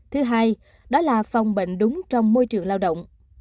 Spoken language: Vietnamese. thứ hai đó là phòng bệnh đúng trong môi trường lao động